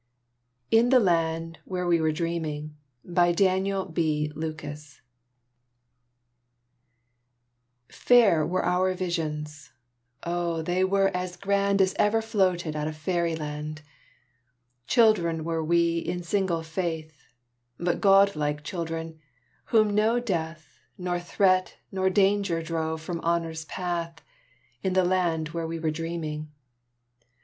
IN THE LAND WHERE WE WERE DREAMING Fair were our visions! Oh, they were as grand As ever floated out of faerie land; Children were we in single faith, But God like children, whom nor death Nor threat nor danger drove from honor's path, In the land where we were dreaming.